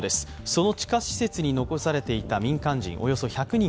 その地下施設に残されていた民間人